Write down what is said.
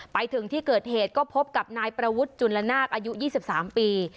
ไปถึงที่เกิดเหตุก็พบกับนายประวุฒิจุลนาคอายุ๒๓ปี